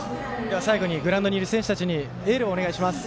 最後にグラウンドにいる選手たちにエールをお願いします。